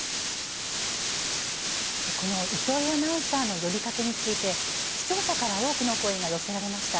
この糸井アナウンサーの呼びかけについて視聴者から多くの声が寄せられました。